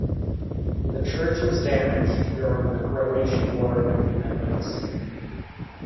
The church was damaged during the Croatian War of Independence.